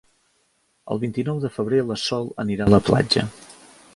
El vint-i-nou de febrer na Sol anirà a la platja.